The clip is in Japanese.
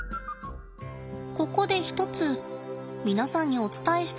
ここで一つ皆さんにお伝えしたいことがあります。